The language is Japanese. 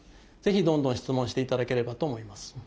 ぜひどんどん質問していただければと思います。